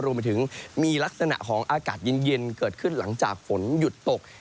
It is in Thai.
รวมไปถึงมีลักษณะของอากาศเย็นเกิดขึ้นหลังจากฝนหยุดตก